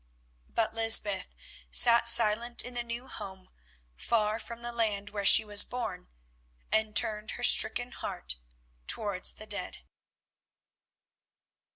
But Lysbeth sat silent in the new home, far from the land where she was born, and turned her stricken heart towards the dead.